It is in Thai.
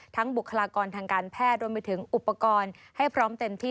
บุคลากรทางการแพทย์รวมไปถึงอุปกรณ์ให้พร้อมเต็มที่